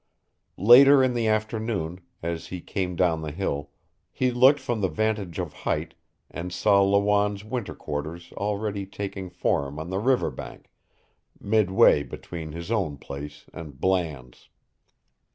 Later in the afternoon, as he came down the hill, he looked from the vantage of height and saw Lawanne's winter quarters already taking form on the river bank, midway between his own place and Bland's.